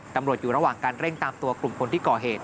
ตำรวจอยู่ระหว่างการเร่งตามตัวกลุ่มคนที่ก่อเหตุ